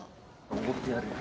おごってやるよ。